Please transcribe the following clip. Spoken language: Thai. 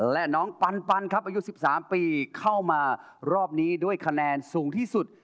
และน้องปันครับอายุ๑๓ปีเข้ามารอบนี้ด้วยคะแนนสูงที่สุด